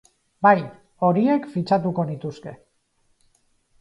Bai, horiek fitxatuko nituzke.